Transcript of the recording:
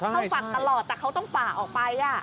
พี่เบิร์ตนอกจากพลังแข่งที่แข็งแรงทางต่างต้องสำคัญด้วยนะ